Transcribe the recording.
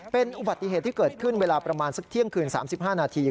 เป็นอุบัติเหตุที่เกิดขึ้นเวลาประมาณสักเที่ยงคืน๓๕นาที